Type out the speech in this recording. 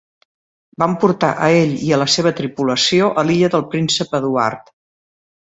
Van portar a ell i a la seva tripulació a l'Illa del Príncep Eduard.